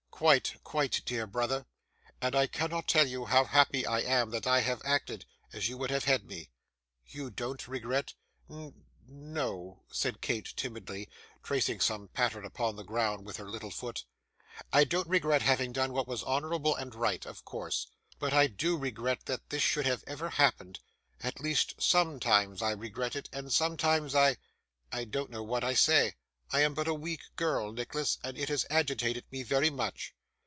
'Quite, quite, dear brother; and I cannot tell you how happy I am that I have acted as you would have had me.' 'You don't regret?' 'N n no,' said Kate timidly, tracing some pattern upon the ground with her little foot. 'I don't regret having done what was honourable and right, of course; but I do regret that this should have ever happened at least sometimes I regret it, and sometimes I I don't know what I say; I am but a weak girl, Nicholas, and it has agitated me very much.